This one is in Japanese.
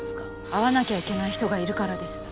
会わなきゃいけない人がいるからです。